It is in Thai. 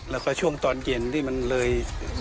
แล้วก็ช่วงตอนเย็นที่มันเลย